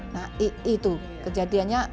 nah itu kejadiannya